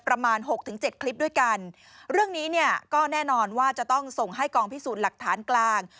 หกถึงเจ็ดคลิปด้วยกันเรื่องนี้เนี่ยก็แน่นอนว่าจะต้องส่งให้กองพิสูจน์หลักฐานกลาง